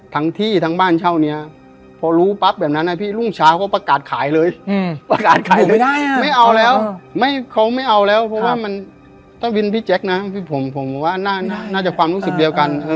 ทั้งที่ทั้งบ้านเช่าเนี้ยพอรู้ปั๊บแบบนั้นอะพี่